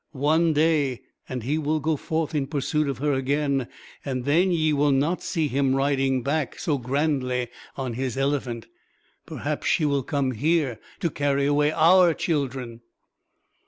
One day, and he will go forth in pursuit of her again; and then ye will not see him riding back so grandly on his elephant. Perhaps she will come here, to carry away our children."